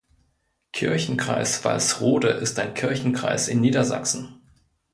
Kirchenkreis Walsrode ist ein Kirchenkreis in Niedersachsen.